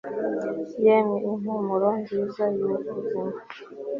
Yemwe impumuro nziza yubuzima